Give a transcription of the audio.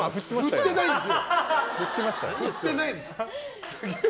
合ってないです！